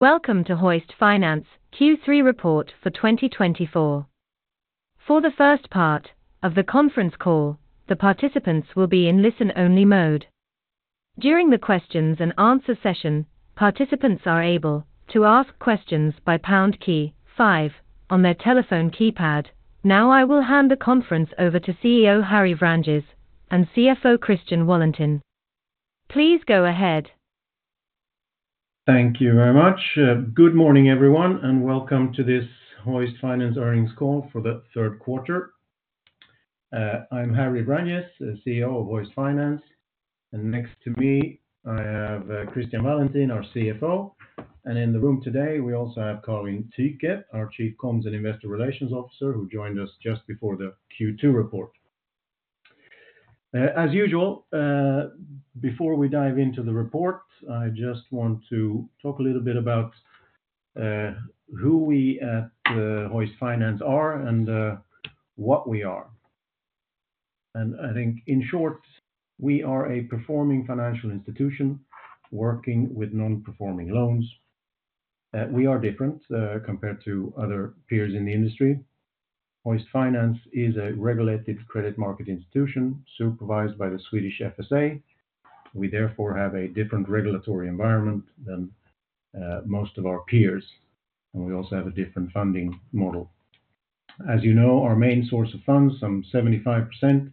Welcome to Hoist Finance Q3 report for 2024. For the first part of the conference call, the participants will be in listen-only mode. During the questions and answer session, participants are able to ask questions by pound key five on their telephone keypad. Now, I will hand the conference over to CEO Harry Vranjes and CFO Christian Wallentin. Please go ahead. Thank you very much. Good morning, everyone, and welcome to this Hoist Finance earnings call for the third quarter. I'm Harry Vranjes, the CEO of Hoist Finance, and next to me, I have Christian Wallentin, our CFO. And in the room today, we also have Karin Tyke, our Chief Comms and Investor Relations Officer, who joined us just before the Q2 report. As usual, before we dive into the report, I just want to talk a little bit about who we at Hoist Finance are, and what we are. And I think, in short, we are a performing financial institution working with non-performing loans. We are different, compared to other peers in the industry. Hoist Finance is a regulated credit market institution, supervised by the Swedish FSA. We therefore have a different regulatory environment than most of our peers, and we also have a different funding model. As you know, our main source of funds, some 75%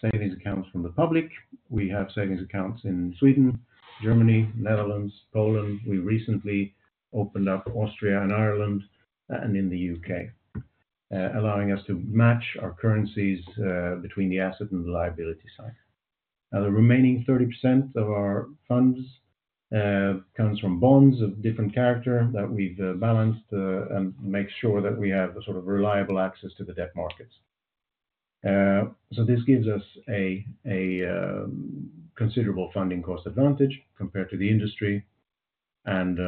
savings accounts from the public. We have savings accounts in Sweden, Germany, Netherlands, Poland. We recently opened up Austria and Ireland, and in the UK, allowing us to match our currencies between the asset and the liability side. Now, the remaining 30% of our funds comes from bonds of different character that we've balanced and make sure that we have a sort of reliable access to the debt markets. So this gives us a considerable funding cost advantage compared to the industry, and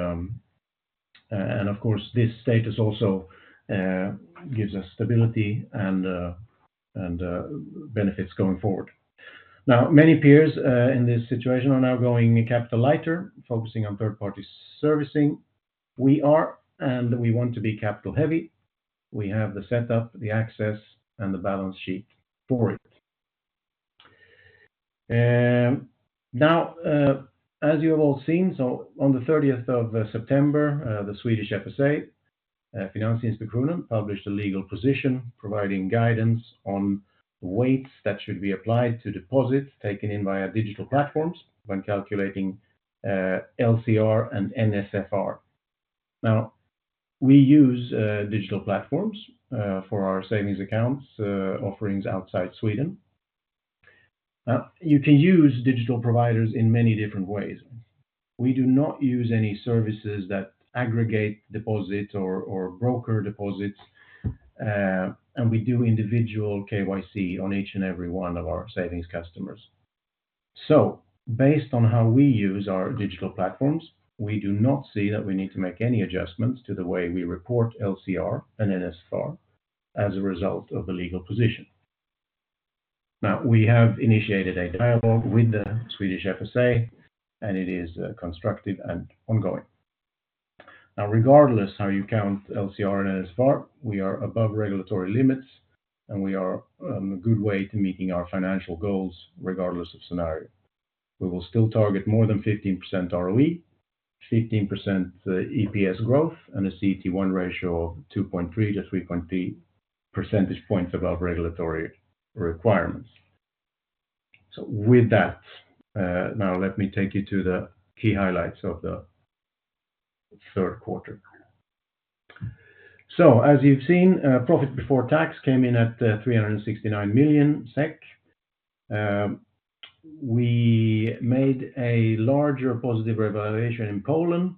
of course, this status also gives us stability and benefits going forward. Now, many peers in this situation are now going capital lighter, focusing on third-party servicing. We are, and we want to be capital heavy. We have the setup, the access, and the balance sheet for it. Now, as you have all seen, so on the thirtieth of September, the Swedish FSA, Finansinspektionen, published a legal position providing guidance on weights that should be applied to deposits taken in via digital platforms when calculating LCR and NSFR. Now, we use digital platforms for our savings accounts offerings outside Sweden. You can use digital providers in many different ways. We do not use any services that aggregate deposits or broker deposits, and we do individual KYC on each and every one of our savings customers. So based on how we use our digital platforms, we do not see that we need to make any adjustments to the way we report LCR and NSFR as a result of the legal position. Now, we have initiated a dialogue with the Swedish FSA, and it is, constructive and ongoing. Now, regardless how you count LCR and NSFR, we are above regulatory limits, and we are on a good way to meeting our financial goals, regardless of scenario. We will still target more than 15% ROE, 15% EPS growth, and a CET1 ratio of 2.3 to 3.3 percentage points above regulatory requirements. So with that, now let me take you to the key highlights of the third quarter. So as you've seen, profit before tax came in at 369 million SEK. We made a larger positive revaluation in Poland,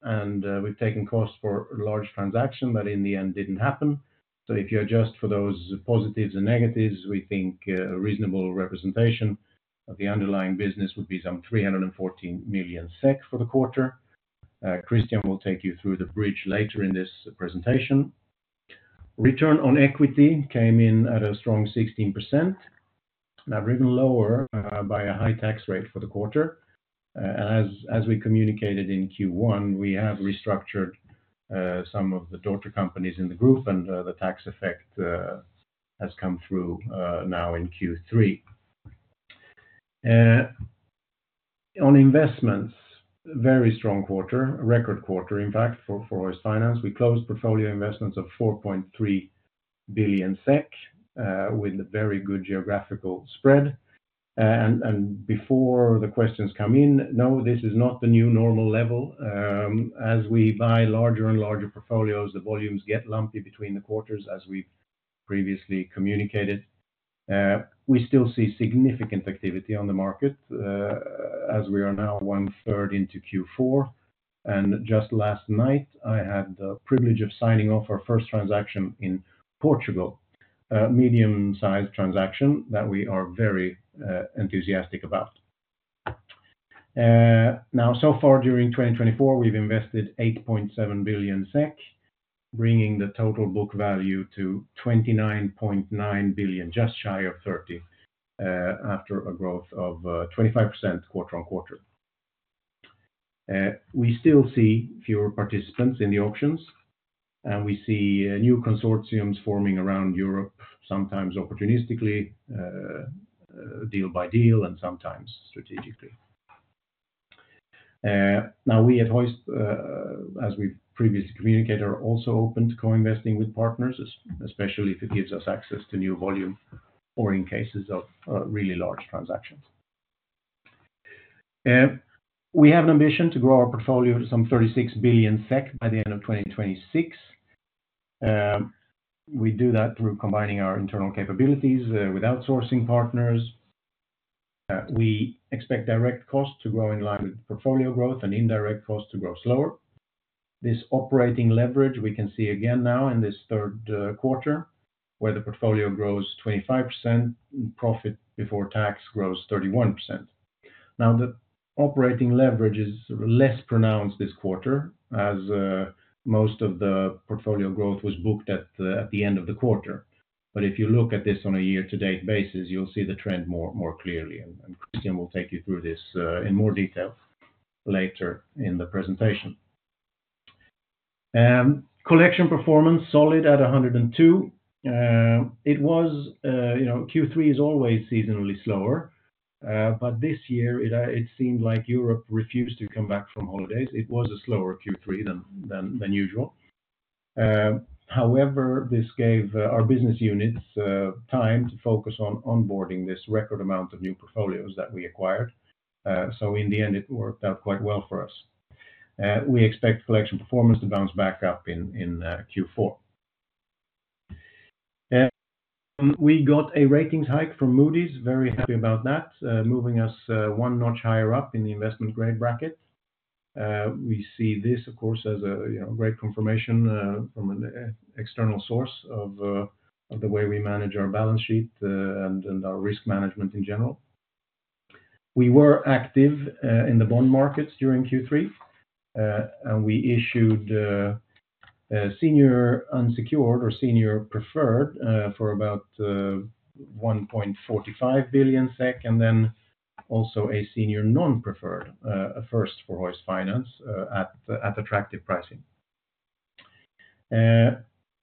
and we've taken costs for a large transaction, but in the end, didn't happen. So if you adjust for those positives and negatives, we think a reasonable representation of the underlying business would be some 314 million SEK for the quarter. Christian will take you through the bridge later in this presentation. Return on equity came in at a strong 16%. Now, driven lower by a high tax rate for the quarter, and as we communicated in Q1, we have restructured some of the daughter companies in the group, and the tax effect has come through now in Q3. On investments, very strong quarter, a record quarter, in fact, for Hoist Finance. We closed portfolio investments of 4.3 billion SEK with a very good geographical spread. Before the questions come in, no, this is not the new normal level. As we buy larger and larger portfolios, the volumes get lumpy between the quarters, as we've previously communicated. We still see significant activity on the market, as we are now one-third into Q4. Just last night, I had the privilege of signing off our first transaction in Portugal, medium-sized transaction that we are very enthusiastic about. Now, so far during 2024, we've invested 8.7 billion SEK, bringing the total book value to 29.9 billion, just shy of 30, after a growth of 25% quarter on quarter. We still see fewer participants in the auctions, and we see new consortiums forming around Europe, sometimes opportunistically, deal by deal, and sometimes strategically. Now, we at Hoist, as we previously communicated, are also open to co-investing with partners, especially if it gives us access to new volume or in cases of really large transactions. We have an ambition to grow our portfolio to some 36 billion SEK by the end of 2026. We do that through combining our internal capabilities with outsourcing partners. We expect direct costs to grow in line with portfolio growth and indirect costs to grow slower. This operating leverage, we can see again now in this third quarter, where the portfolio grows 25%, and profit before tax grows 31%. Now, the operating leverage is less pronounced this quarter as most of the portfolio growth was booked at the end of the quarter, but if you look at this on a year-to-date basis, you'll see the trend more clearly, and Christian will take you through this in more detail later in the presentation. Collection performance, solid at 102. It was, you know, Q3 is always seasonally slower, but this year, it seemed like Europe refused to come back from holidays. It was a slower Q3 than usual. However, this gave our business units time to focus on onboarding this record amount of new portfolios that we acquired, so in the end, it worked out quite well for us. We expect collection performance to bounce back up in Q4. We got a ratings hike from Moody's, very happy about that, moving us one notch higher up in the investment grade bracket. We see this, of course, as a, you know, great confirmation from an external source of the way we manage our balance sheet, and our risk management in general. We were active in the bond markets during Q3, and we issued a senior unsecured or senior preferred for about 1.45 billion SEK, and then also a senior non-preferred, a first for Hoist Finance, at attractive pricing.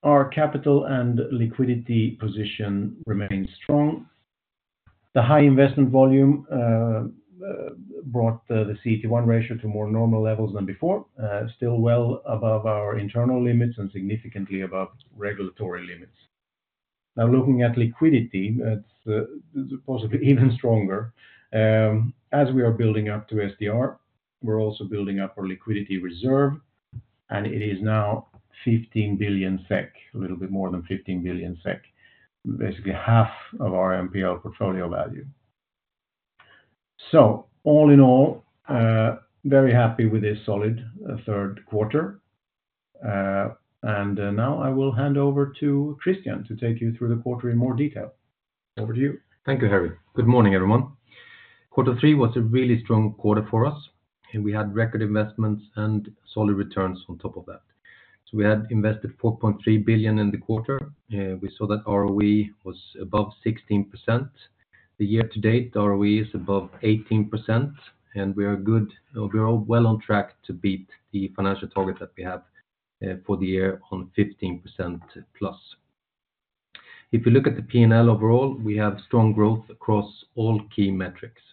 Our capital and liquidity position remains strong. The high investment volume brought the CET1 ratio to more normal levels than before, still well above our internal limits and significantly above regulatory limits. Now, looking at liquidity, that's possibly even stronger. As we are building up to SDR, we're also building up our liquidity reserve, and it is now 15 billion SEK, a little bit more than 15 billion SEK, basically half of our NPL portfolio value. So all in all, very happy with this solid third quarter. And now I will hand over to Christian to take you through the quarter in more detail. Over to you. Thank you, Harry. Good morning, everyone. Quarter three was a really strong quarter for us, and we had record investments and solid returns on top of that. So we had invested 4.3 billion in the quarter. We saw that ROE was above 16%. The year to date, ROE is above 18%, and we are well on track to beat the financial target that we have for the year on 15% plus. If you look at the P&L overall, we have strong growth across all key metrics.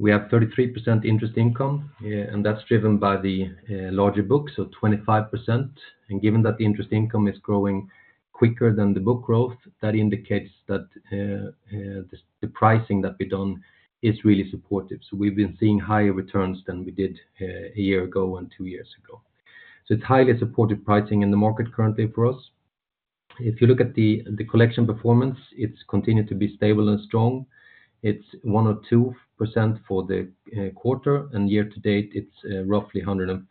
We have 33% interest income, and that's driven by the larger book, so 25%. And given that the interest income is growing quicker than the book growth, that indicates that the pricing that we've done is really supportive. So we've been seeing higher returns than we did, a year ago and two years ago. So it's highly supportive pricing in the market currently for us. If you look at the collection performance, it's continued to be stable and strong. It's one or two percent for the quarter, and year to date, it's roughly 104%.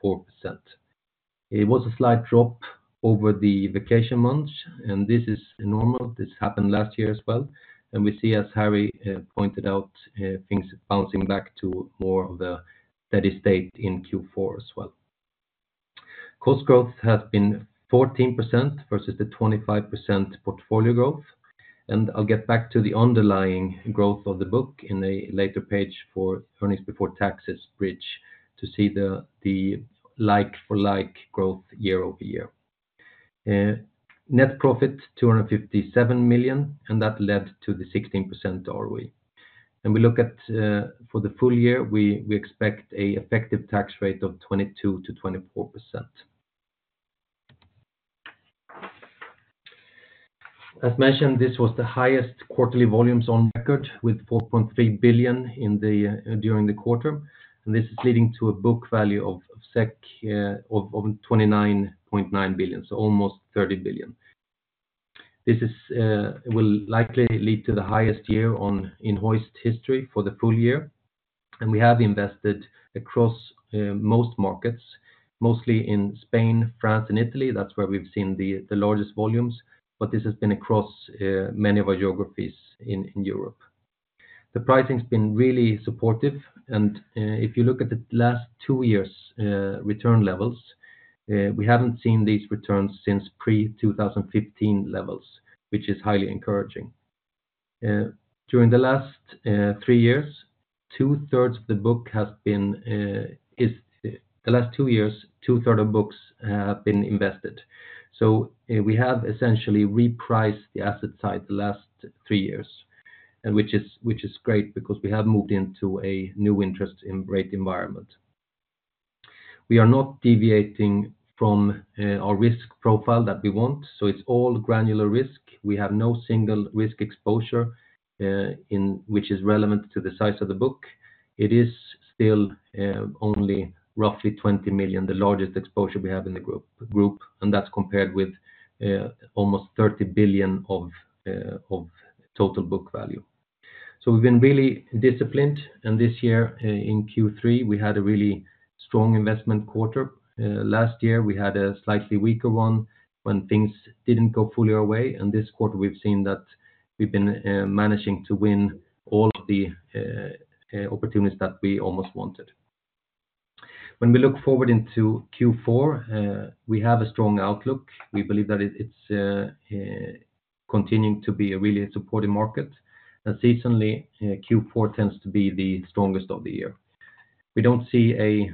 It was a slight drop over the vacation months, and this is normal. This happened last year as well, and we see, as Harry pointed out, things bouncing back to more of the steady state in Q4 as well. Cost growth has been 14% versus the 25% portfolio growth, and I'll get back to the underlying growth of the book in a later page for earnings before taxes bridge to see the like-for-like growth year over year. Net profit, 257 million, and that led to the 16% ROE. When we look at for the full year, we expect an effective tax rate of 22%-24%. As mentioned, this was the highest quarterly volumes on record, with 4.3 billion during the quarter, and this is leading to a book value of 29.9 billion, so almost 30 billion. This will likely lead to the highest year on record in Hoist history for the full year, and we have invested across most markets, mostly in Spain, France, and Italy. That's where we've seen the largest volumes, but this has been across many of our geographies in Europe. The pricing's been really supportive, and, if you look at the last two years', return levels, we haven't seen these returns since pre-two thousand and fifteen levels, which is highly encouraging. During the last three years, two-thirds of the book has been the last two years, two-third of books have been invested. So we have essentially repriced the asset side the last three years, and which is, which is great because we have moved into a new interest in rate environment. We are not deviating from our risk profile that we want, so it's all granular risk. We have no single risk exposure, in which is relevant to the size of the book. It is still only roughly 20 million, the largest exposure we have in the group, and that's compared with almost 30 billion of total book value. So we've been really disciplined, and this year in Q3, we had a really strong investment quarter. Last year, we had a slightly weaker one when things didn't go fully our way, and this quarter, we've seen that we've been managing to win all of the opportunities that we almost wanted. When we look forward into Q4, we have a strong outlook. We believe that it is continuing to be a really supportive market. And seasonally, Q4 tends to be the strongest of the year. We don't see a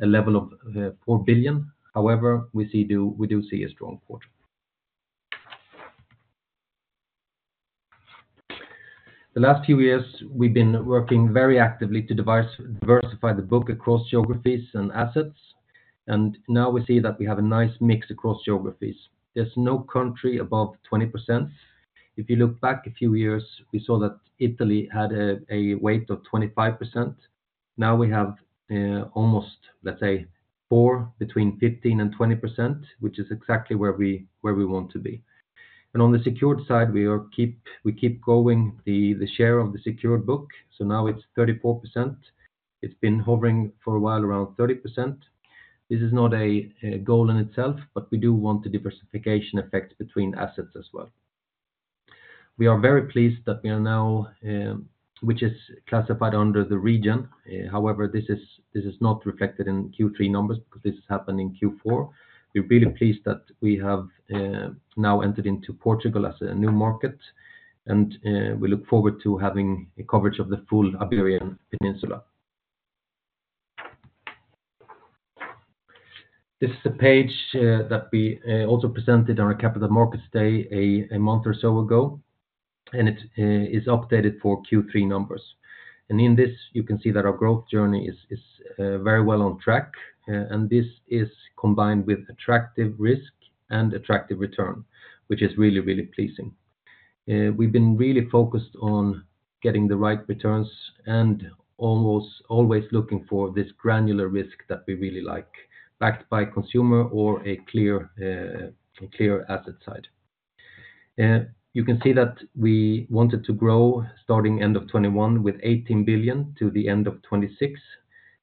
level of 4 billion, however, we do see a strong quarter. The last few years, we've been working very actively to diversify the book across geographies and assets, and now we see that we have a nice mix across geographies. There's no country above 20%. If you look back a few years, we saw that Italy had a weight of 25%. Now we have almost, let's say, four between 15% and 20%, which is exactly where we want to be. And on the secured side, we keep growing the share of the secured book, so now it's 34%. It's been hovering for a while, around 30%. This is not a goal in itself, but we do want the diversification effect between assets as well. We are very pleased that we are now, which is classified under the region. However, this is not reflected in Q3 numbers because this has happened in Q4. We're really pleased that we have now entered into Portugal as a new market, and we look forward to having a coverage of the full Iberian Peninsula. This is a page that we also presented on our Capital Markets Day, a month or so ago, and it's updated for Q3 numbers. In this, you can see that our growth journey is very well on track, and this is combined with attractive risk and attractive return, which is really, really pleasing. We've been really focused on getting the right returns and almost always looking for this granular risk that we really like, backed by consumer or a clear asset side. You can see that we wanted to grow, starting end of 2021, with 18 billion to the end of 2026,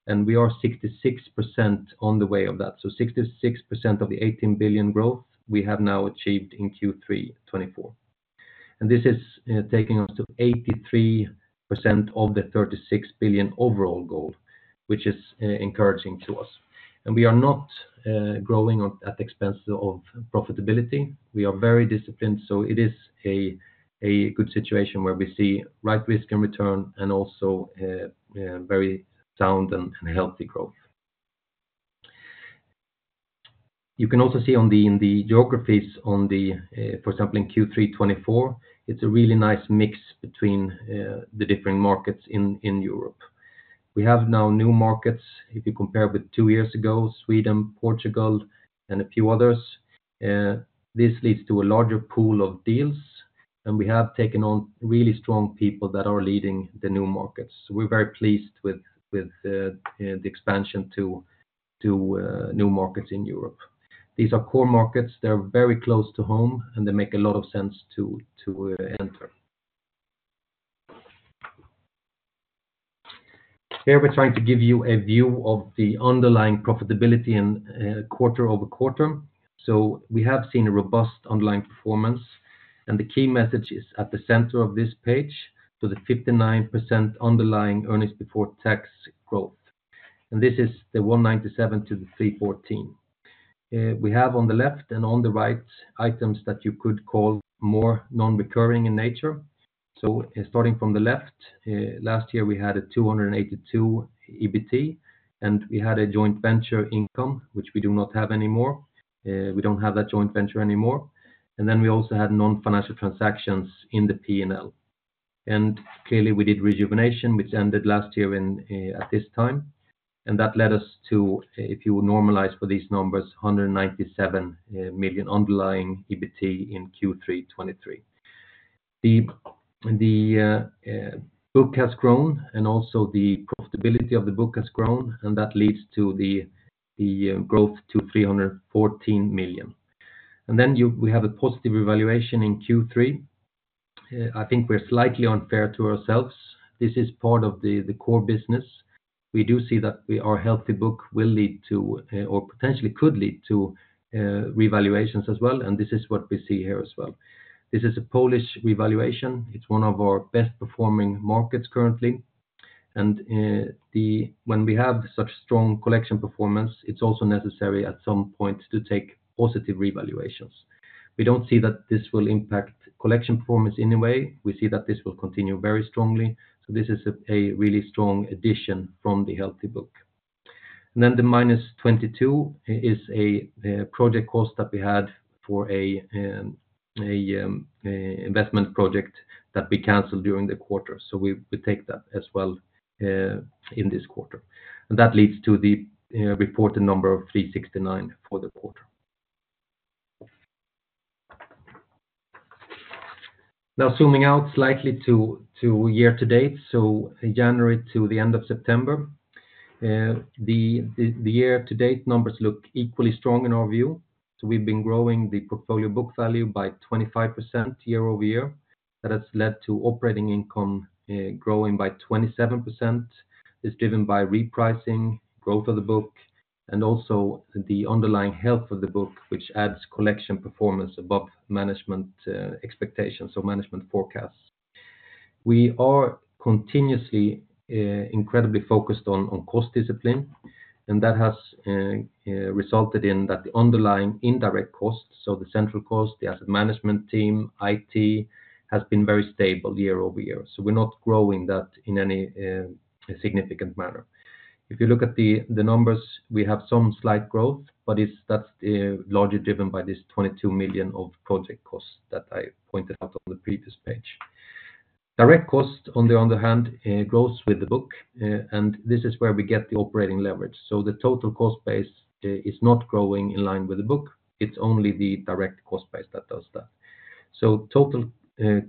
and we are 66% on the way of that. So 66% of the 18 billion growth we have now achieved in Q3 2024. This is taking us to 83% of the 36 billion overall goal, which is encouraging to us. We are not growing up at the expense of profitability. We are very disciplined, so it is a good situation where we see right risk and return and also very sound and healthy growth. You can also see in the geographies, for example, in Q3 2024. It's a really nice mix between the different markets in Europe. We have now new markets. If you compare with two years ago, Sweden, Portugal, and a few others, this leads to a larger pool of deals, and we have taken on really strong people that are leading the new markets. We're very pleased with the expansion to new markets in Europe. These are core markets, they're very close to home, and they make a lot of sense to enter. Here, we're trying to give you a view of the underlying profitability in quarter over quarter. We have seen a robust underlying performance, and the key message is at the center of this page, so the 59% underlying earnings before tax growth, and this is the 197-314. We have on the left and on the right, items that you could call more non-recurring in nature. Starting from the left, last year, we had 282 million EBT, and we had a joint venture income, which we do not have anymore. We don't have that joint venture anymore. And then we also had non-financial transactions in the P&L. And clearly, we did revaluation, which ended last year at this time. And that led us to, if you will, normalize for these numbers, 197 million underlying EBT in Q3 2023. The book has grown, and also the profitability of the book has grown, and that leads to the growth to 314 million. And then we have a positive revaluation in Q3. I think we're slightly unfair to ourselves. This is part of the core business. We do see that our healthy book will lead to, or potentially could lead to, revaluations as well, and this is what we see here as well. This is a Polish revaluation. It's one of our best performing markets currently. When we have such strong collection performance, it's also necessary at some point to take positive revaluations. We don't see that this will impact collection performance in any way. We see that this will continue very strongly. So this is a really strong addition from the healthy book. And then the minus 22 is a project cost that we had for a investment project that we canceled during the quarter. So we take that as well, in this quarter. And that leads to the reported number of 369 for the quarter. Now, zooming out slightly to year to date, so January to the end of September. The year to date numbers look equally strong in our view, so we've been growing the portfolio book value by 25% year over year. That has led to operating income growing by 27%, is driven by repricing, growth of the book, and also the underlying health of the book, which adds collection performance above management expectations, so management forecasts. We are continuously incredibly focused on cost discipline, and that has resulted in that the underlying indirect costs, so the central cost, the asset management team, IT, has been very stable year over year, so we're not growing that in any significant manner. If you look at the numbers, we have some slight growth, but that's largely driven by this 22 million of project costs that I pointed out on the previous page. Direct cost, on the other hand, grows with the book, and this is where we get the operating leverage. The total cost base is not growing in line with the book. It's only the direct cost base that does that. Total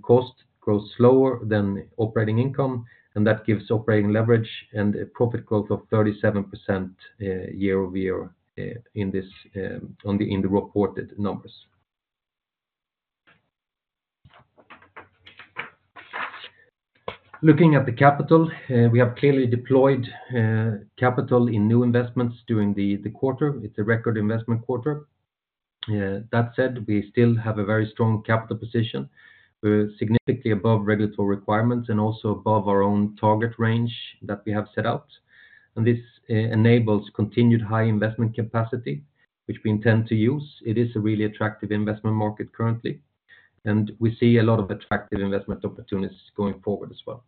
cost grows slower than operating income, and that gives operating leverage and a profit growth of 37% year over year in the reported numbers. Looking at the capital, we have clearly deployed capital in new investments during the quarter. It's a record investment quarter. That said, we still have a very strong capital position. We're significantly above regulatory requirements and also above our own target range that we have set out, and this enables continued high investment capacity, which we intend to use. It is a really attractive investment market currently, and we see a lot of attractive investment opportunities going forward as well.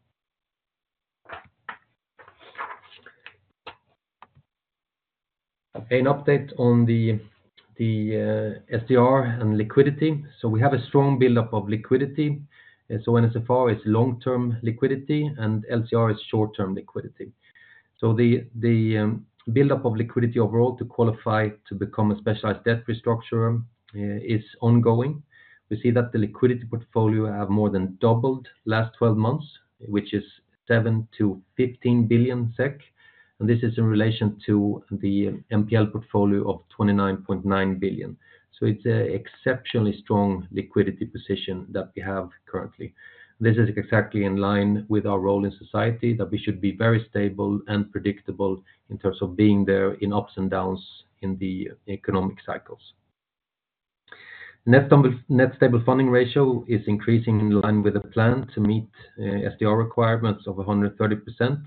An update on the SDR and liquidity. We have a strong buildup of liquidity, and so NSFR is long-term liquidity, and LCR is short-term liquidity. The buildup of liquidity overall to qualify to become a Specialized Debt Restructurer is ongoing. We see that the liquidity portfolio have more than doubled last twelve months, which is 7-15 billion SEK, and this is in relation to the NPL portfolio of 29.9 billion SEK. It's a exceptionally strong liquidity position that we have currently. This is exactly in line with our role in society, that we should be very stable and predictable in terms of being there in ups and downs in the economic cycles. The Net Stable Funding Ratio is increasing in line with the plan to meet SDR requirements of 130%.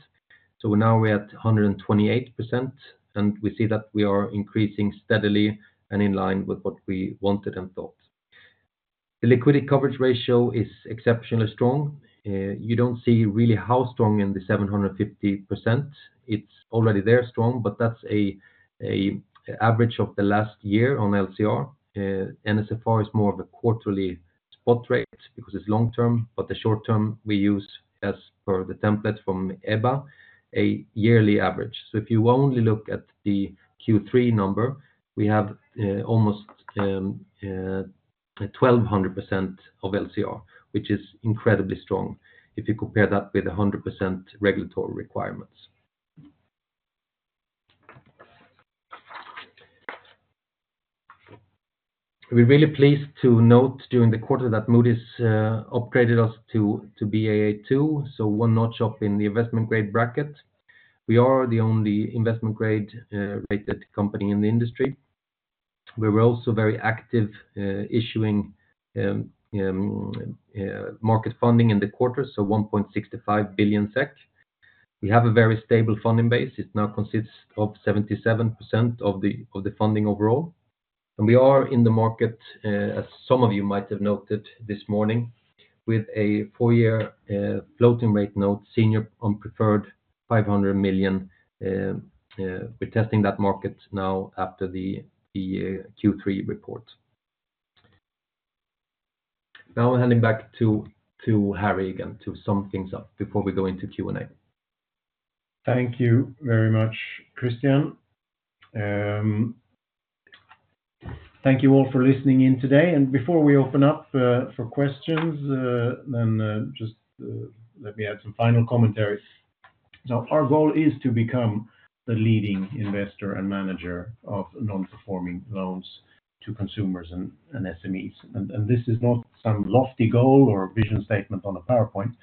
So now we're at 128%, and we see that we are increasing steadily and in line with what we wanted and thought. The Liquidity Coverage Ratio is exceptionally strong. You don't see really how strong in the 750%. It's already there strong, but that's an average of the last year on LCR. NSFR is more of a quarterly spot rate because it's long term, but the short term we use, as per the template from EBA, a yearly average. So if you only look at the Q3 number, we have almost 1,200% LCR, which is incredibly strong if you compare that with 100% regulatory requirements. We're really pleased to note during the quarter that Moody's upgraded us to Baa2, so one notch up in the investment grade bracket. We are the only investment grade rated company in the industry. We were also very active issuing market funding in the quarter, so 1.65 billion SEK. We have a very stable funding base. It now consists of 77% of the funding overall. And we are in the market, as some of you might have noted this morning, with a four-year floating rate note, senior non-preferred 500 million SEK. We're testing that market now after the Q3 report. Now I'm handing back to Harry again, to sum things up before we go into Q&A. Thank you very much, Christian. Thank you all for listening in today. Before we open up for questions, let me add some final commentaries. Now, our goal is to become the leading investor and manager of non-performing loans to consumers and SMEs. This is not some lofty goal or a vision statement on a PowerPoint,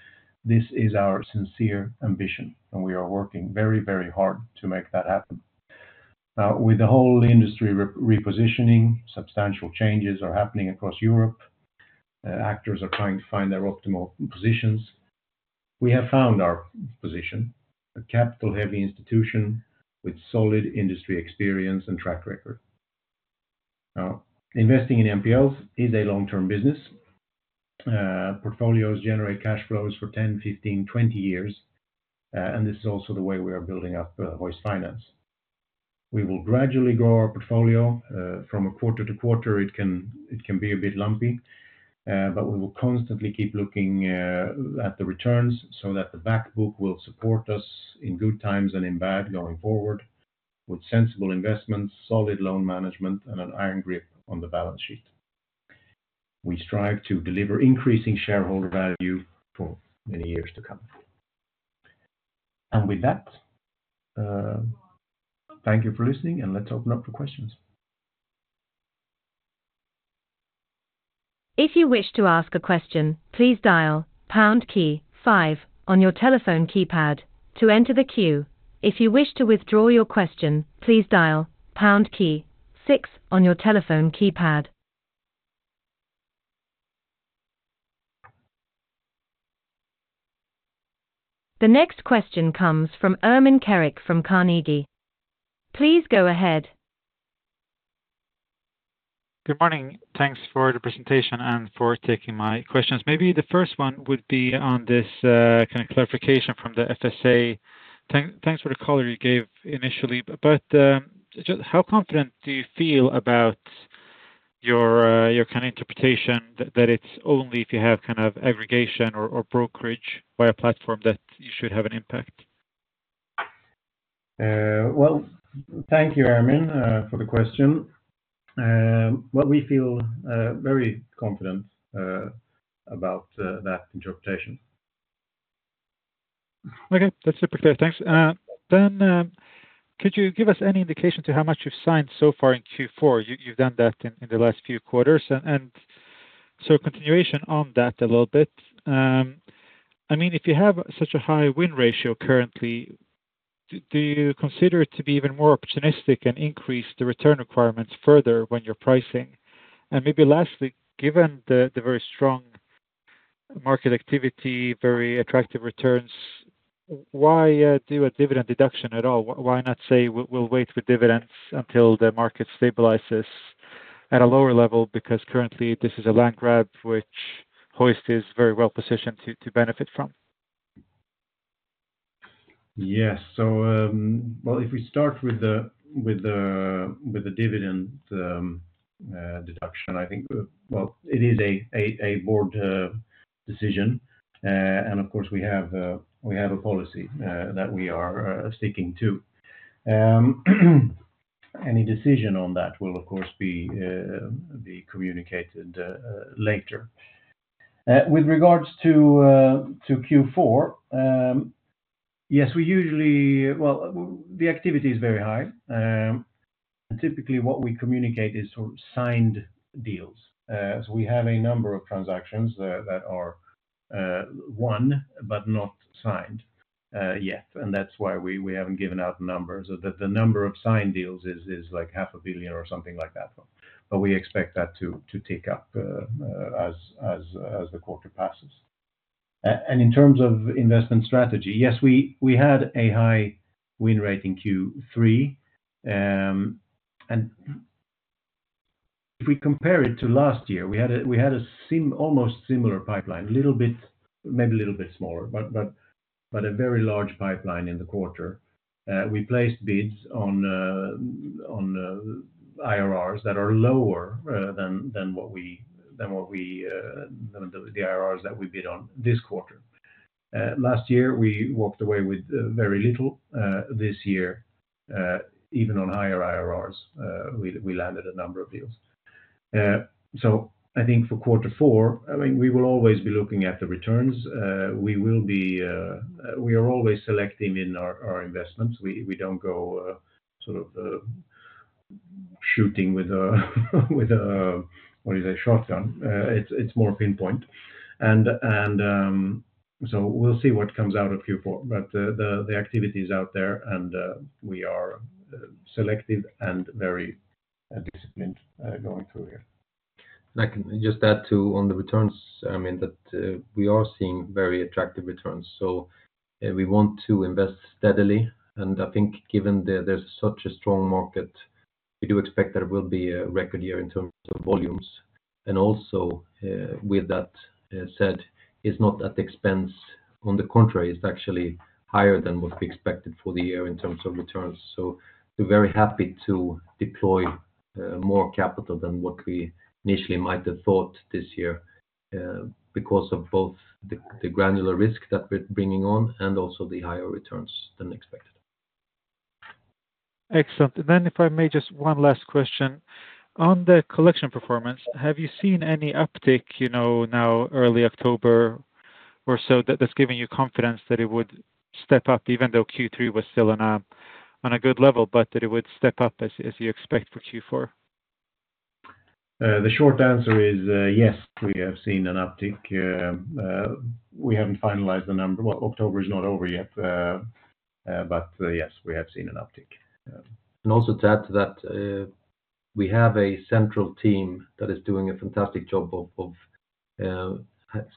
this is our sincere ambition, and we are working very, very hard to make that happen. Now, with the whole industry repositioning, substantial changes are happening across Europe. Actors are trying to find their optimal positions. We have found our position, a capital-heavy institution with solid industry experience and track record. Now, investing in NPLs is a long-term business. Portfolios generate cash flows for 10, 15, 20 years, and this is also the way we are building up Hoist Finance. We will gradually grow our portfolio, from a quarter to quarter it can be a bit lumpy, but we will constantly keep looking at the returns so that the back book will support us in good times and in bad, going forward, with sensible investments, solid loan management, and an iron grip on the balance sheet. We strive to deliver increasing shareholder value for many years to come, and with that, thank you for listening, and let's open up for questions. If you wish to ask a question, please dial pound key five on your telephone keypad to enter the queue. If you wish to withdraw your question, please dial pound key six on your telephone keypad. The next question comes from Ermin Keric from Carnegie. Please go ahead. Good morning. Thanks for the presentation and for taking my questions. Maybe the first one would be on this kind of clarification from the FSA. Thanks for the color you gave initially, but just how confident do you feel about your kind of interpretation that it's only if you have kind of aggregation or brokerage by a platform that you should have an impact? Well, thank you, Ermin, for the question. Well, we feel very confident about that interpretation. Okay. That's super clear. Thanks. Then, could you give us any indication to how much you've signed so far in Q4? You've done that in the last few quarters. And so continuation on that a little bit, I mean, if you have such a high win ratio currently, do you consider it to be even more opportunistic and increase the return requirements further when you're pricing? And maybe lastly, given the very strong market activity, very attractive returns, why do a dividend deduction at all? Why not say, we'll wait for dividends until the market stabilizes at a lower level? Because currently, this is a land grab, which Hoist is very well positioned to benefit from. Yes. So, well, if we start with the dividend decision, I think, well, it is a board decision. And of course, we have a policy that we are sticking to. Any decision on that will, of course, be communicated later. With regards to Q4, yes, we usually. Well, the activity is very high. Typically, what we communicate is sort of signed deals. So we have a number of transactions that are won, but not signed yet, and that's why we haven't given out the numbers. So the number of signed deals is, like, 500 million or something like that. But we expect that to tick up as the quarter passes. And in terms of investment strategy, yes, we had a high win rate in Q3. And if we compare it to last year, we had a almost similar pipeline, a little bit, maybe a little bit smaller, but a very large pipeline in the quarter. We placed bids on IRRs that are lower than the IRRs that we bid on this quarter. Last year, we walked away with very little. This year, even on higher IRRs, we landed a number of deals. So I think for quarter four, I mean, we will always be looking at the returns. We will be. We are always selecting in our investments. We don't go sort of shooting with a shotgun. It's more pinpoint, so we'll see what comes out of Q4, but the activity is out there, and we are selective and very disciplined going through here. And I can just add, too, on the returns, I mean, that we are seeing very attractive returns. So we want to invest steadily, and I think given that there's such a strong market, we do expect that it will be a record year in terms of volumes. And also, with that said, it's not at the expense... On the contrary, it's actually higher than what we expected for the year in terms of returns. So we're very happy to deploy more capital than what we initially might have thought this year, because of both the granular risk that we're bringing on and also the higher returns than expected. Excellent. Then if I may, just one last question. On the collection performance, have you seen any uptick, you know, now, early October?... or so that, that's giving you confidence that it would step up, even though Q3 was still on a good level, but that it would step up as you expect for Q4? The short answer is, yes, we have seen an uptick. We haven't finalized the number. Well, October is not over yet, but yes, we have seen an uptick. And also to add to that, we have a central team that is doing a fantastic job of, of,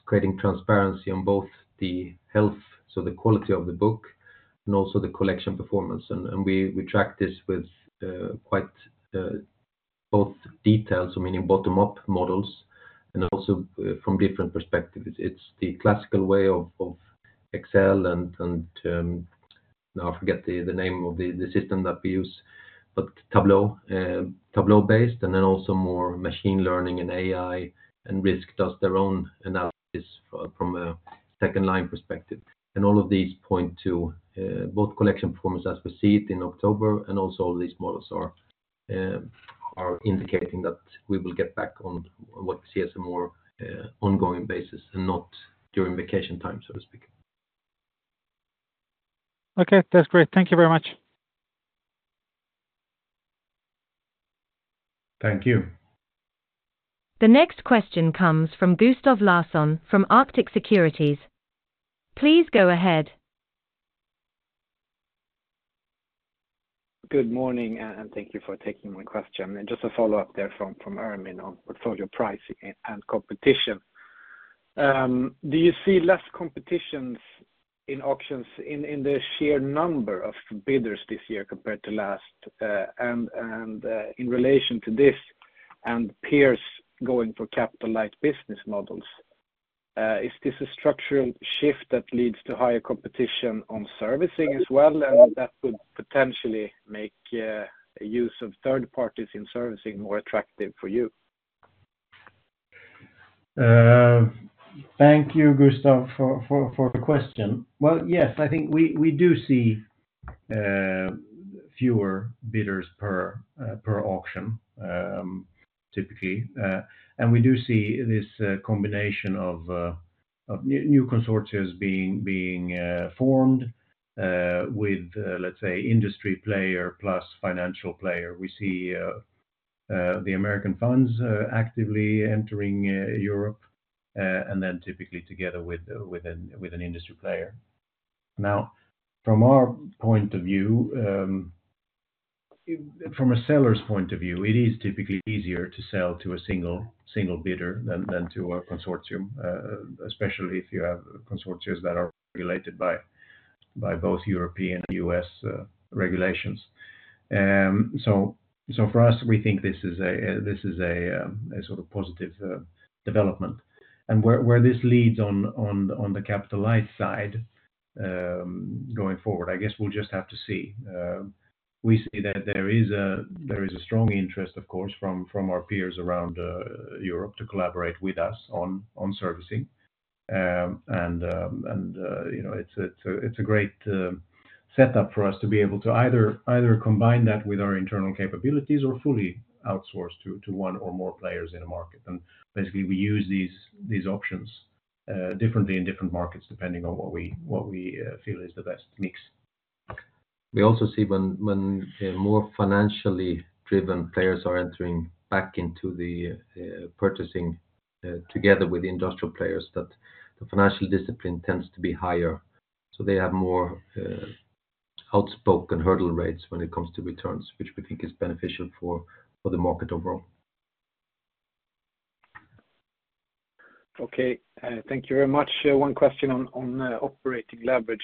creating transparency on both the health, so the quality of the book, and also the collection performance. And, and we, we track this with, quite, both details, so meaning bottom-up models, and also, from different perspectives. It's the classical way of, of Excel and, and, now I forget the, the name of the, the system that we use, but Tableau, Tableau-based, and then also more machine learning and AI, and Risk does their own analysis from a second line perspective. And all of these point to both collection performance as we see it in October, and also these models are indicating that we will get back on what we see as a more ongoing basis and not during vacation time, so to speak. Okay, that's great. Thank you very much. Thank you. The next question comes from Gustav Larsson, from Arctic Securities. Please go ahead. Good morning, and thank you for taking my question. And just a follow-up there from Ermin on portfolio pricing and competition. Do you see less competition in auctions in the sheer number of bidders this year compared to last? And in relation to this, and peers going for capital light business models, is this a structural shift that leads to higher competition on servicing as well, and that would potentially make a use of third parties in servicing more attractive for you? Thank you, Gustav, for the question. Yes, I think we do see fewer bidders per auction typically, and we do see this combination of new consortiums being formed with, let's say, industry player plus financial player. We see the American funds actively entering Europe and then typically together with an industry player. Now, from our point of view, from a seller's point of view, it is typically easier to sell to a single bidder than to a consortium, especially if you have consortiums that are regulated by both European and U.S., regulations, so for us, we think this is a sort of positive development. Where this leads on the capital light side, going forward, I guess we'll just have to see. We see that there is a strong interest, of course, from our peers around Europe to collaborate with us on servicing. You know, it's a great setup for us to be able to either combine that with our internal capabilities or fully outsource to one or more players in the market. Basically, we use these options differently in different markets, depending on what we feel is the best mix. We also see when more financially driven players are entering back into the purchasing together with the industrial players, that the financial discipline tends to be higher. So they have more outspoken hurdle rates when it comes to returns, which we think is beneficial for the market overall. Okay, thank you very much. One question on operating leverage.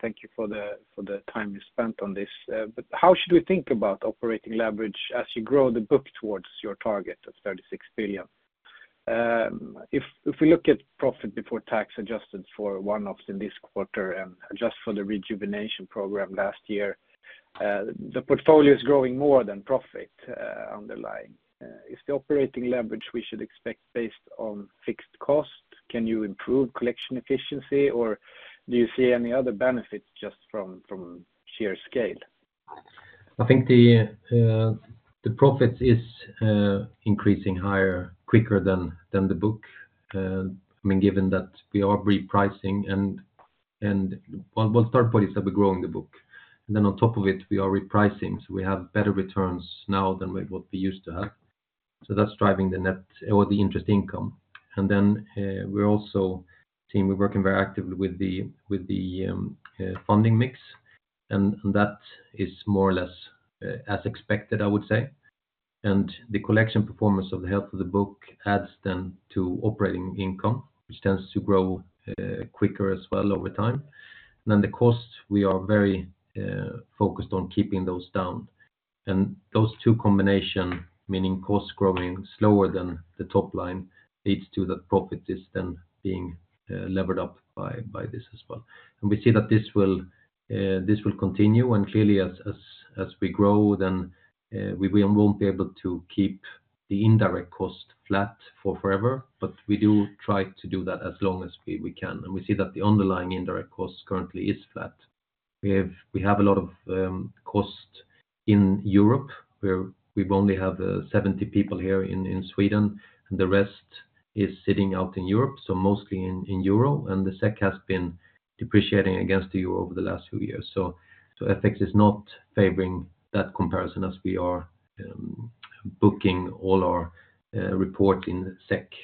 Thank you for the time you spent on this. But how should we think about operating leverage as you grow the book towards your target of thirty-six billion? If we look at profit before tax adjusted for one-offs in this quarter and adjust for the revaluation program last year, the portfolio is growing more than profit, underlying. Is the operating leverage we should expect based on fixed cost? Can you improve collection efficiency, or do you see any other benefits just from sheer scale? I think the profit is increasing higher, quicker than the book. I mean, given that we are repricing and. Well, we'll start by simply growing the book, and then on top of it, we are repricing, so we have better returns now than what we used to have, so that's driving the net or the interest income. Then, we're also working very actively with the funding mix, and that is more or less as expected, I would say. The collection performance of the health of the book adds then to operating income, which tends to grow quicker as well over time. The cost, we are very focused on keeping those down. And those two combination, meaning costs growing slower than the top line, leads to the profit is then being levered up by this as well. We see that this will continue, and clearly as we grow, then we won't be able to keep the indirect cost flat forever, but we do try to do that as long as we can. We see that the underlying indirect cost currently is flat. We have a lot of costs in Europe, where we only have 70 people here in Sweden, and the rest is sitting out in Europe, so mostly in Euro, and the SEK has been depreciating against the Euro over the last few years. So, FX is not favoring that comparison as we are booking all our report in SEK.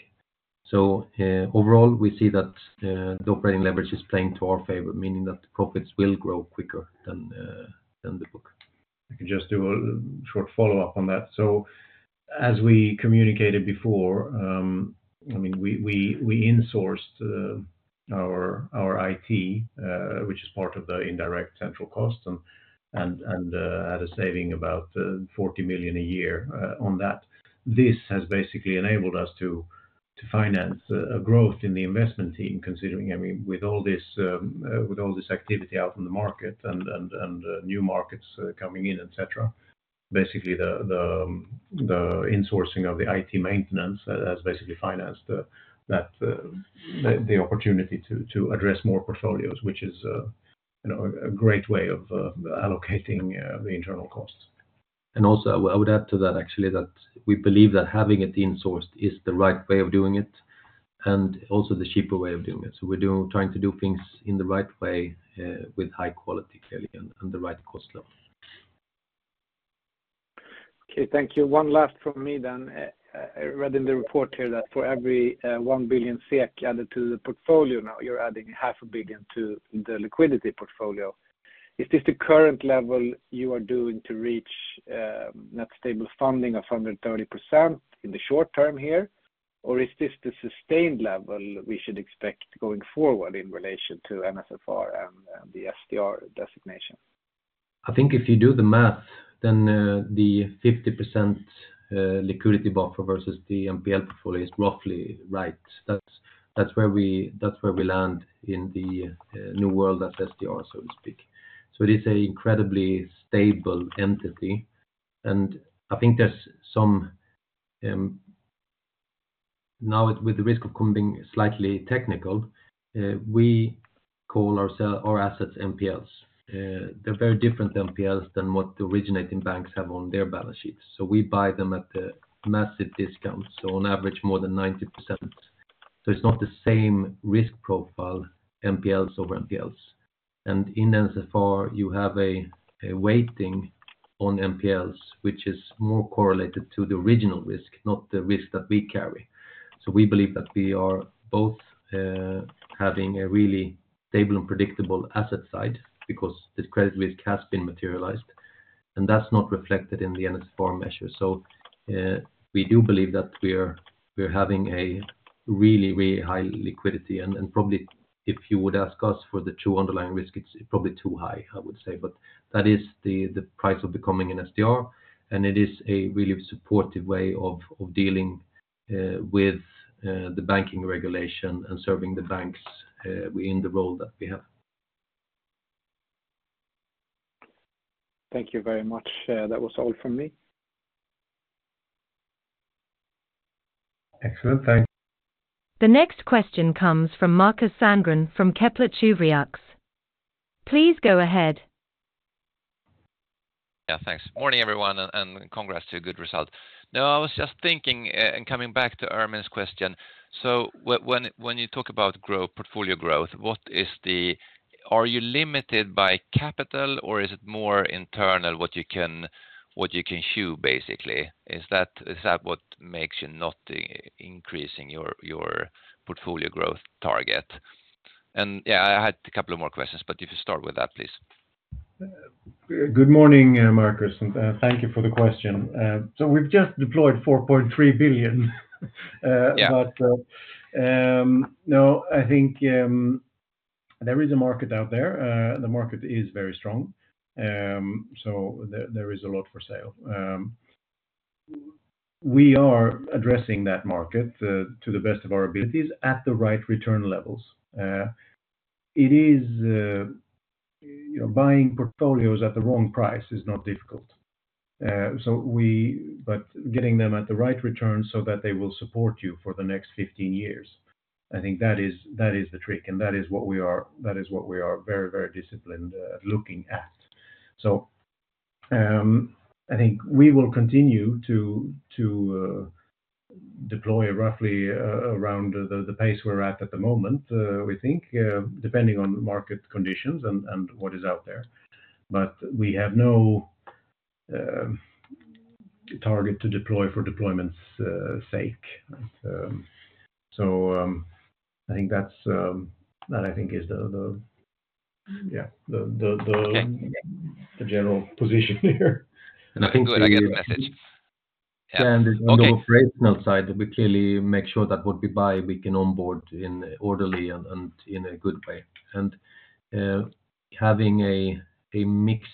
So, overall, we see that the operating leverage is playing to our favor, meaning that the profits will grow quicker than the book. I can just do a short follow-up on that. So as we communicated before, I mean, we insourced our IT, which is part of the indirect central cost, and at a saving about 40 million a year on that. This has basically enabled us to finance a growth in the investment team, considering, I mean, with all this activity out in the market and new markets coming in, et cetera. Basically, the insourcing of the IT maintenance has basically financed the opportunity to address more portfolios, which is, you know, a great way of allocating the internal costs. And also, I would add to that, actually, that we believe that having it insourced is the right way of doing it, and also the cheaper way of doing it. So we're doing, trying to do things in the right way, with high quality, clearly, and the right cost level. Okay, thank you. One last from me then. I read in the report here that for every 1 billion SEK added to the portfolio, now you're adding 500 million to the liquidity portfolio. Is this the current level you are doing to reach net stable funding of 130% in the short term here? Or is this the sustained level we should expect going forward in relation to NSFR and the SDR designation? I think if you do the math, then, the 50% liquidity buffer versus the NPL portfolio is roughly right. That's where we land in the new world as SDR, so to speak. So it is an incredibly stable entity, and I think there's some. Now, with the risk of coming slightly technical, we call our assets NPLs. They're very different NPLs than what the originating banks have on their balance sheets. So we buy them at a massive discount, so on average, more than 90%. So it's not the same risk profile, NPLs over NPLs. And in NSFR, you have a weighting on NPLs, which is more correlated to the original risk, not the risk that we carry. So we believe that we are both having a really stable and predictable asset side because this credit risk has been materialized, and that's not reflected in the NSFR measure. So, we do believe that we're having a really, really high liquidity, and probably if you would ask us for the true underlying risk, it's probably too high, I would say. But that is the price of becoming an SDR, and it is a really supportive way of dealing with the banking regulation and serving the banks we in the role that we have. Thank you very much. That was all from me. Excellent. Thanks. The next question comes from Markus Sandgren, from Kepler Cheuvreux. Please go ahead. Yeah, thanks. Morning, everyone, and congrats to a good result. Now, I was just thinking, and coming back to Ermin's question: so when you talk about portfolio growth, what is the... Are you limited by capital, or is it more internal, what you can chew, basically? Is that what makes you not increasing your portfolio growth target? And yeah, I had a couple of more questions, but if you start with that, please. Good morning, Marcus, and thank you for the question. So we've just deployed 4.3 billion. Yeah. No, I think there is a market out there. The market is very strong, so there is a lot for sale. We are addressing that market to the best of our abilities at the right return levels. You know, buying portfolios at the wrong price is not difficult. But getting them at the right return so that they will support you for the next fifteen years, I think that is the trick, and that is what we are very, very disciplined looking at. So, I think we will continue to deploy roughly around the pace we're at at the moment, we think, depending on market conditions and what is out there. But we have no target to deploy for deployment's sake. So, I think that's. Okay ... the general position here. I think that- Good, I get the message. Yeah. Okay. On the operational side, we clearly make sure that what we buy, we can onboard in orderly and in a good way. And having a mixed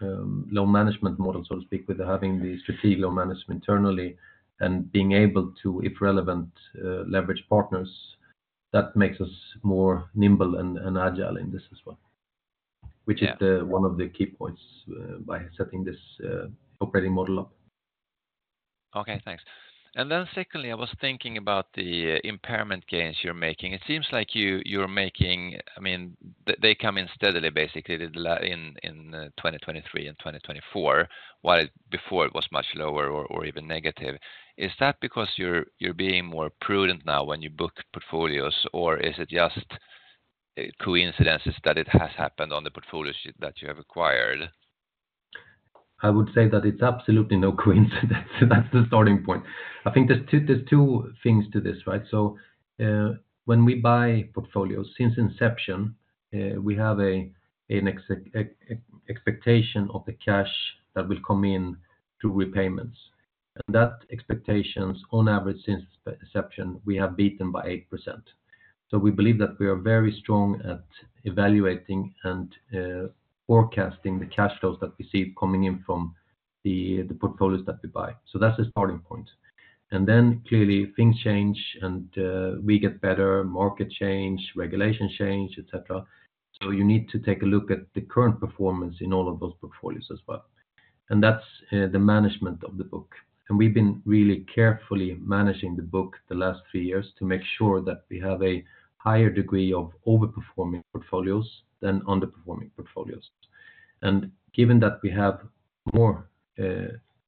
loan management model, so to speak, with having the strategic loan management internally and being able to, if relevant, leverage partners, that makes us more nimble and agile in this as well. Yeah. Which is one of the key points by setting this operating model up.... Okay, thanks. And then secondly, I was thinking about the impairment gains you're making. It seems like you, you're making, I mean, they come in steadily, basically, in 2023 and 2024, while before it was much lower or even negative. Is that because you're being more prudent now when you book portfolios, or is it just coincidences that it has happened on the portfolios that you have acquired? I would say that it's absolutely no coincidence. That's the starting point. I think there's two things to this, right? So, when we buy portfolios, since inception, we have an expectation of the cash that will come in through repayments. And that expectations, on average, since inception, we have beaten by 8%. So we believe that we are very strong at evaluating and forecasting the cash flows that we see coming in from the portfolios that we buy. So that's the starting point. And then, clearly, things change, and we get better, market change, regulation change, et cetera. So you need to take a look at the current performance in all of those portfolios as well. And that's the management of the book. And we've been really carefully managing the book the last three years to make sure that we have a higher degree of overperforming portfolios than underperforming portfolios. And given that we have more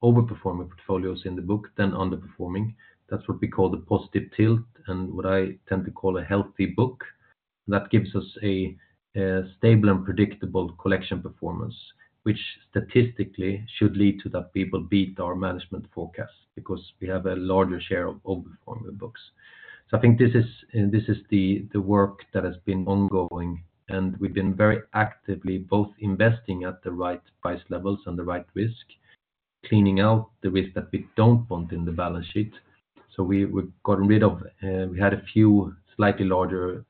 overperforming portfolios in the book than underperforming, that's what we call the positive tilt, and what I tend to call a healthy book, that gives us a stable and predictable collection performance, which statistically should lead to that people beat our management forecast because we have a larger share of overperforming books. So I think this is the work that has been ongoing, and we've been very actively both investing at the right price levels and the right risk, cleaning out the risk that we don't want in the balance sheet. So we've gotten rid of... We had a few slightly larger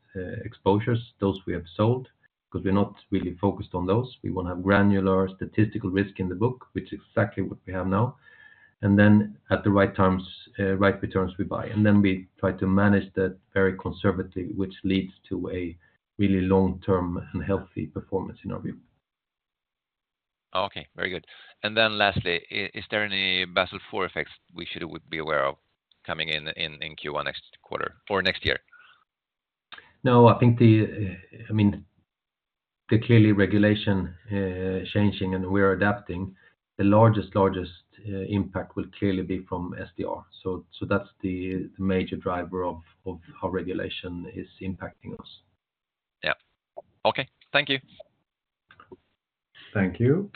exposures. Those we have sold, 'cause we're not really focused on those. We wanna have granular statistical risk in the book, which is exactly what we have now. And then at the right times, right returns, we buy. And then we try to manage that very conservatively, which leads to a really long-term and healthy performance in our view. Okay, very good. Then lastly, is there any Basel IV effects we would be aware of coming in Q1 next quarter or next year? No, I think, I mean, the regulation clearly changing, and we're adapting. The largest impact will clearly be from SDR, so that's the major driver of how regulation is impacting us. Yeah. Okay. Thank you. Thank you.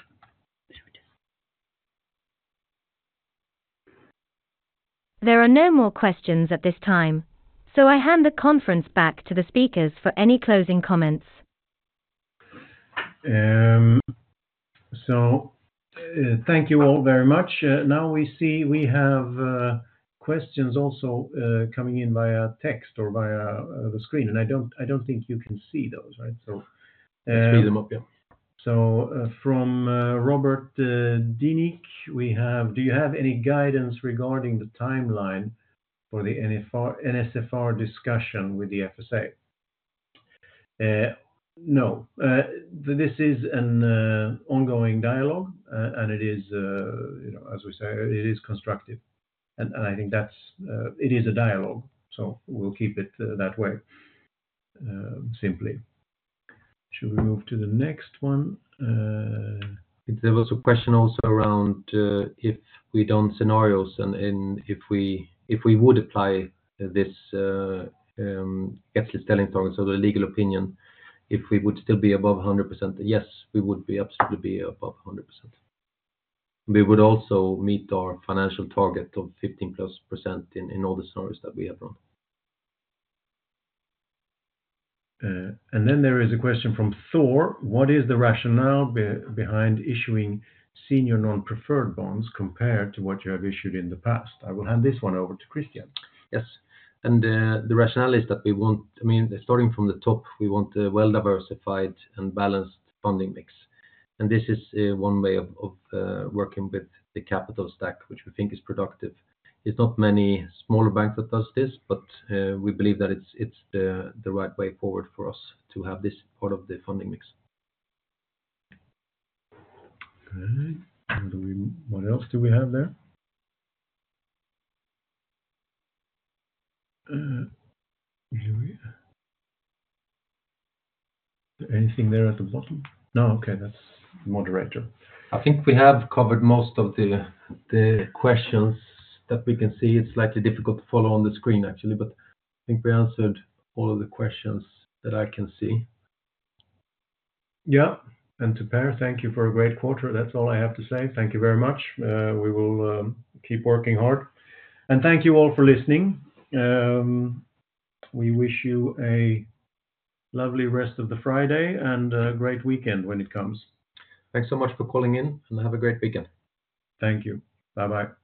There are no more questions at this time, so I hand the conference back to the speakers for any closing comments. So, thank you all very much. Now we see we have questions also coming in via text or via the screen, and I don't think you can see those, right? So, Let's read them up, yeah. So, from Robert Dinic, we have, do you have any guidance regarding the timeline for the NSFR discussion with the FSA? No. This is an ongoing dialogue, and it is, you know, as we say, it is constructive. And I think that's it is a dialogue, so we'll keep it that way simply. Should we move to the next one? There was a question also around if we done scenarios and if we would apply this capital planning target or the legal opinion, if we would still be above 100%? Yes, we would absolutely be above 100%. We would also meet our financial target of 15% plus in all the scenarios that we have run. And then there is a question from Thor: What is the rationale behind issuing Senior Non-Preferred Bonds compared to what you have issued in the past? I will hand this one over to Christian. Yes. And, the rationale is that we want... I mean, starting from the top, we want a well-diversified and balanced funding mix, and this is one way of working with the capital stack, which we think is productive. It's not many smaller banks that does this, but we believe that it's the right way forward for us to have this part of the funding mix. Great. What else do we have there? Anything there at the bottom? No. Okay, that's the moderator. I think we have covered most of the questions that we can see. It's slightly difficult to follow on the screen, actually, but I think we answered all of the questions that I can see. Yeah. And to Per, thank you for a great quarter. That's all I have to say. Thank you very much. We will keep working hard. And thank you all for listening. We wish you a lovely rest of the Friday and great weekend when it comes. Thanks so much for calling in, and have a great weekend. Thank you. Bye-bye.